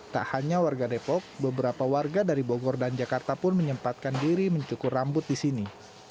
tak hanya warga depok beberapa warga dari bogor dan jakarta pun menyempatkan diri mencukur rambut di sini